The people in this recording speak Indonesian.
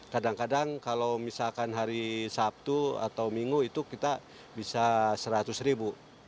kadang kadang kalau misalkan hari sabtu atau minggu itu kita bisa seratus ribu